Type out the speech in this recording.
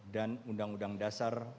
dan undang undang dasar